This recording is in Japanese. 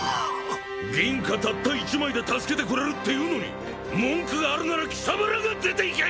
銀貨たった１枚で助けてくれるっていうのに文句があるなら貴様らが出て行け！